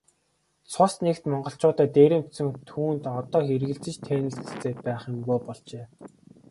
Цус нэгт монголчуудаа дээрэмдсэн түүнд одоо эргэлзэж тээнэгэлзээд байх юмгүй болжээ.